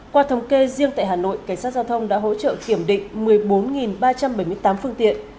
qua thống kê riêng tại hà nội cảnh sát giao thông đã hỗ trợ kiểm định một mươi bốn ba trăm bảy mươi tám phương tiện